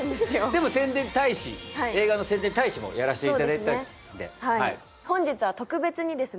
でも宣伝大使映画の宣伝大使もやらせていただいたんで本日は特別にですね